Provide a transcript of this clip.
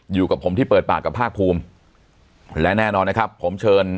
อยู่กับผมที่เปิดปากกับภาคภูมิและแน่นอนนะครับผมเชิญ